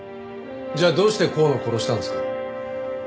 じゃあどうして香野を殺したんですか？